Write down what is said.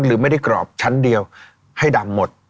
หรือไม่ได้กรอบชั้นเดียวให้ดำหมด